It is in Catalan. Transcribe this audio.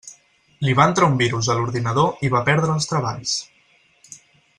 Li va entrar un virus a l'ordinador i va perdre els treballs.